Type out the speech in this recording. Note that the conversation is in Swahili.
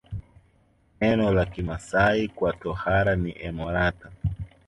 Neno la Kimasai kwa tohara ni emorata